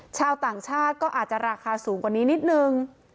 ชาวต่างชาติก็อาจจะราคาสูงกว่านี้นิดนึง